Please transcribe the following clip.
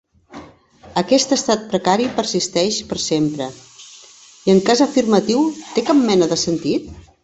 Aquest estat precari persisteix per sempre i, en cas afirmatiu, té cap mena de sentit?